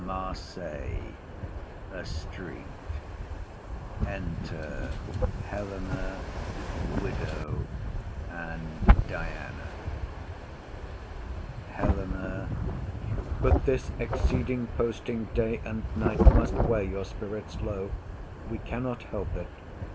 Marseilles. A street. Enter Helena, Widow and Diana with two Attendants. HELENA. But this exceeding posting day and night Must wear your spirits low. We cannot help it.